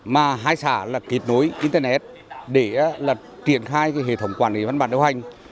mà hai xã là kết nối internet để triển khai hệ thống quản lý văn bản điều hành